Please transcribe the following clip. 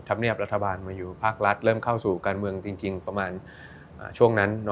ธรรมเนียบรัฐบาลมาอยู่ภาครัฐเริ่มเข้าสู่การเมืองจริงประมาณช่วงนั้น